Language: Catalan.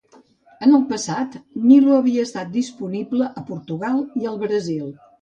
En el passat, Milo havia estat disponible a Portugal i al Brasil.